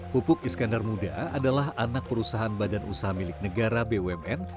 pupuk iskandar muda adalah anak perusahaan badan usaha milik negara bumn